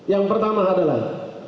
yang pertama adalah